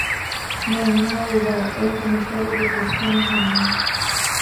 Non, non a vou dar, é un comentario desde o escano sen máis.